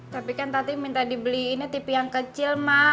tapi kan tadi minta dibeliin tv yang kecil mak